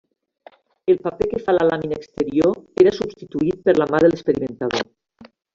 El paper que fa la làmina exterior era substituït per la mà de l'experimentador.